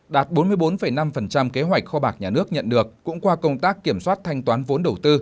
đạt bốn mươi bốn năm kế hoạch kho bạc nhà nước nhận được cũng qua công tác kiểm soát thanh toán vốn đầu tư